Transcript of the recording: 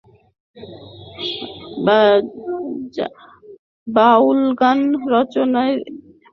বাউল গান রচনায় এ যেন নতুন কোন ধারার প্রবর্তন সৃষ্টি করেছেন দীন শরৎ।